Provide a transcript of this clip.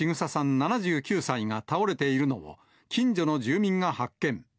７９歳が倒れているのを、近所の住民が発見。